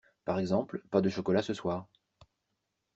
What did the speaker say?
Par exemple, pas de chocolat ce soir.